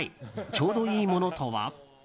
ちょうどいいものとは？